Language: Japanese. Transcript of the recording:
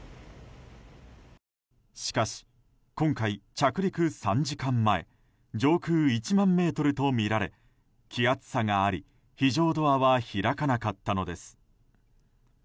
しかし、今回着陸３時間前上空１万ｍとみられ気圧差があり非常ドアは開かなかったのです。